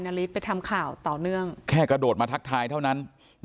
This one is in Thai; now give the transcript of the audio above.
นาริสไปทำข่าวต่อเนื่องแค่กระโดดมาทักทายเท่านั้น